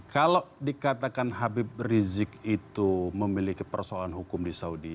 kalau dikatakan habib rizik itu memiliki persoalan hukum di saudi